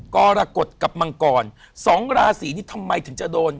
กรกฎกับมังกรสองราศีนี้ทำไมถึงจะโดน